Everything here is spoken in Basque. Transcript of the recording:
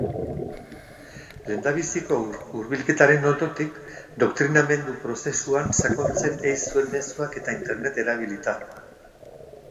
Lehendabiziko hurbilketaren ondotik, doktrinamendu prozesuan sakontzen ei zuen mezuak eta internet erabilita.